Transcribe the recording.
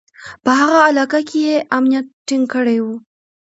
په هغه علاقه کې یې امنیت ټینګ کړی و.